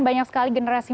banyak sekali generasi